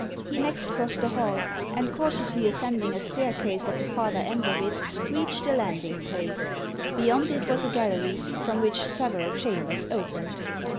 He next crossed the hall, and cautiously ascending a staircase at the farther end of it, reached the landing place. Beyond it was a gallery, from which several chambers opened.